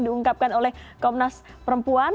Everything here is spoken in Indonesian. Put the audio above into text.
diungkapkan oleh komnas perempuan